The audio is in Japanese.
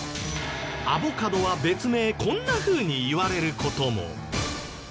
アボカドは別名こんなふうにいわれる事も。